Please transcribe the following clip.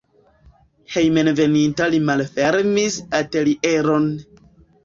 Hejmenveninta li malfermis atelieron.